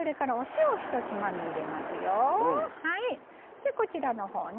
でこちらの方ね。